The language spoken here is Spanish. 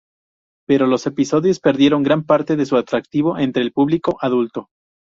Pero los episodios perdieron gran parte de su atractivo entre el público adulto.